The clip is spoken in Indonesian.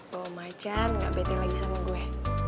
bahwa macan gak bete lagi sama gue